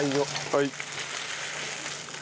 はい。